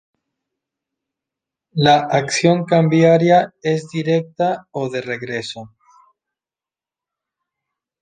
La acción cambiaria es directa o de regreso.